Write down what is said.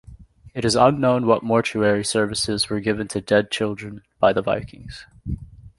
It is unknown what mortuary services were given to dead children by the Vikings.